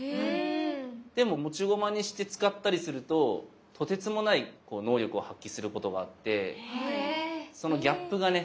でも持ち駒にして使ったりするととてつもない能力を発揮することがあってそのギャップがね